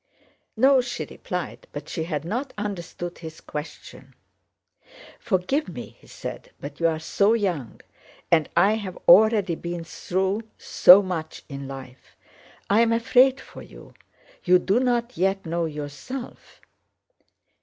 "No," she replied, but she had not understood his question. "Forgive me!" he said. "But you are so young, and I have already been through so much in life. I am afraid for you, you do not yet know yourself."